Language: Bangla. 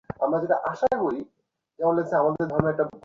সে কি কোনও গাছ নাকি?